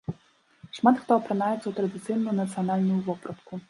Шмат хто апранаецца ў традыцыйную нацыянальную вопратку.